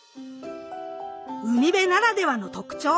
海辺ならではの特徴